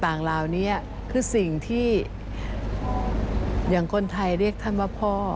ต่างเหล่านี้คือสิ่งที่อย่างคนไทยเรียกท่านว่าพ่อ